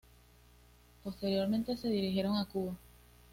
Posteriormente se dirigieron a Cuba.